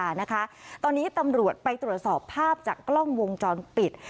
นะคะตอนนี้ตำรวจไปตรวจสอบภาพจากกล้องวงจรปิด